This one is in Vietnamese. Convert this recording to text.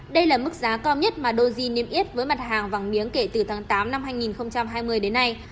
đây là mức giá cao nhất mà doji niêm yết với mặt hàng vàng miếng kể từ tháng tám năm hai nghìn hai mươi đến nay